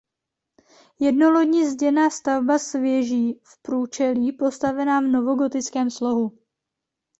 Jednolodní zděná stavba s věží v průčelí postavená v novogotickém slohu.